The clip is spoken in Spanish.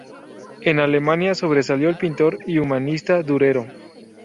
En Alemania sobresalió el pintor y humanista Durero.